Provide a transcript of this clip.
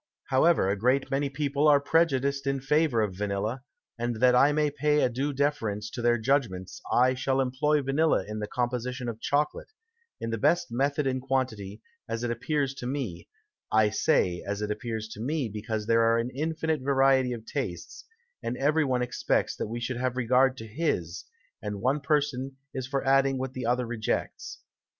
However, a great many People are prejudiced in favour of Vanilla, and that I may pay a due Deference to their Judgments, I shall employ Vanilla in the Composition of Chocolate, in the best Method and Quantity, as it appears to me; I say, as it appears to me, because there are an infinite Variety of Tastes, and every one expects that we should have regard to his, and one Person is for adding what the other rejects.